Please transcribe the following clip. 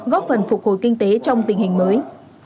góp phần phục hồi kinh tế trong tình hình mới